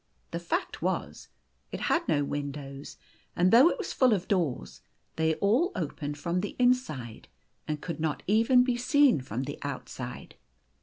The fact was, it had no windows ; and though it was full of doors, they all opened from the inside, and could not even be seen from the outside.